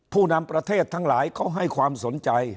ผู้นำประเทศทั้งหลายเขาให้ความสนใจ